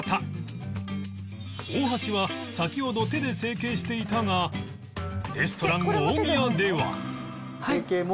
大橋は先ほど手で成形していたがレストラン大宮では